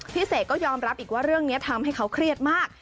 เสกก็ยอมรับอีกว่าเรื่องนี้ทำให้เขาเครียดมาก